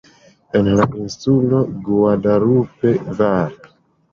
En Insulo Guadalupe, var.